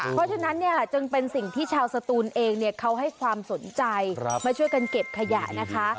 เพราะฉะนั้นเนี่ยจึงเป็นสิ่งที่ชาวสตูนเองเขาให้ความสนใจมาช่วยกันเก็บขยะนะคะ